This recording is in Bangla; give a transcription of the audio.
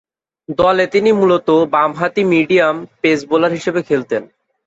দলে তিনি মূলতঃ বামহাতি মিডিয়াম পেস বোলার হিসেবে খেলতেন।